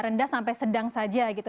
rendah sampai sedang saja gitu